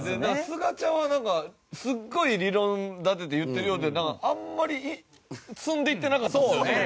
すがちゃんはなんかすごい理論立てて言ってるようであんまり積んでいってなかったですよね。